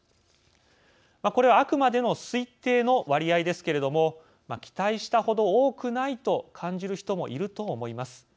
これはあくまでも推定の割合ですけれども期待した程、多くはないと感じる人もいると思います。